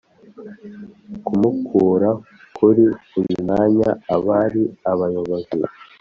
Kumukura kuri uyu mwanya abari abayobozi